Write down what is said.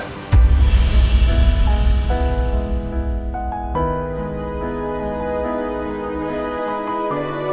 terima kasih mas